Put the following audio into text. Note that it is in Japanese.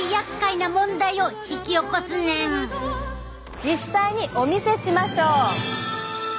実は実際にお見せしましょう！